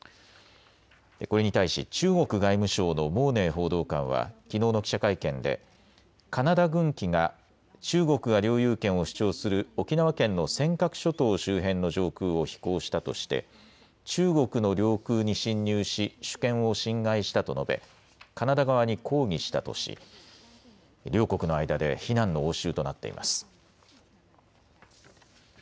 これに対し中国外務省の毛寧報道官はきのうの記者会見でカナダ軍機が中国が領有権を主張する沖縄県の尖閣諸島周辺の上空を飛行したとして中国の領空に侵入し主権を侵害したと述べカナダ側に抗議したとし両国の間で非難の応酬となっています。